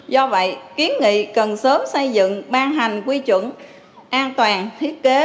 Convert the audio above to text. do vậy kiến nghị cần sớm xây dựng ban hành quy chuẩn an toàn thiết kế